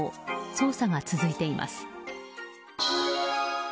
捜査が続いています。